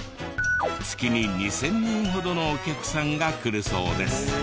月に２０００人ほどのお客さんが来るそうです。